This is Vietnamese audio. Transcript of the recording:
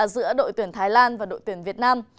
giữa đội tuyển thái lan và đội tuyển việt nam